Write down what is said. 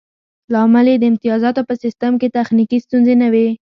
لامل یې د امتیازاتو په سیستم کې تخنیکي ستونزې نه وې